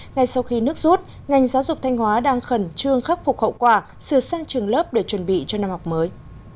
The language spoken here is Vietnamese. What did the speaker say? ngay sau khi nước rút ngành giáo dục thanh hóa đang khẩn trương khắc phục hậu quả sửa sang trường lớp để chuẩn bị cho năm học mới